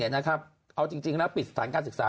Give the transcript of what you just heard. เอาจริงแล้วปิดสถานการศึกษา